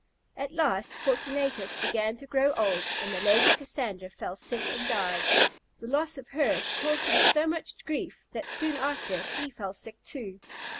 At last, Fortunatus began to grow old, and the Lady Cassandra fell sick and died. The loss of her caused him so much grief, that soon after he fell sick too.